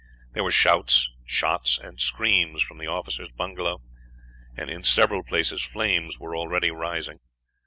There were shouts, shots, and screams from the officers' bungalows, and in several places flames were already rising.